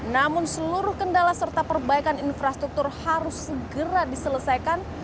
namun seluruh kendala serta perbaikan infrastruktur harus segera diselesaikan